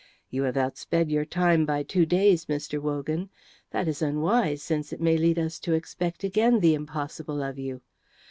"You have outsped your time by two days, Mr. Wogan. That is unwise, since it may lead us to expect again the impossible of you.